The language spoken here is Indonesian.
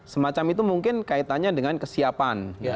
semacam itu mungkin kaitannya dengan kesiapan